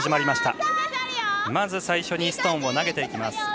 まず最初にストーンを投げていきます。